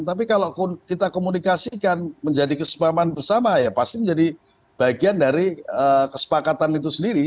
tapi kalau kita komunikasikan menjadi kesepahaman bersama ya pasti menjadi bagian dari kesepakatan itu sendiri